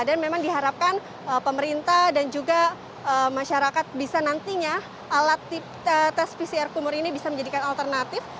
dan memang diharapkan pemerintah dan juga masyarakat bisa nantinya alat tes pcr kumur ini bisa menjadikan alternatif